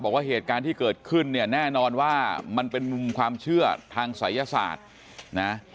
บอกว่าเหตุการณ์ที่เกิดขึ้นเนี่ยแน่นอนว่ามันเป็นมุมความเชื่อทางศัยศาสตร์นะ